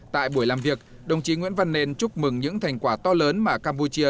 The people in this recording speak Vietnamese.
tại buổi làm việc đồng chí nguyễn văn nền chúc mừng những thành quả to lớn mà campuchia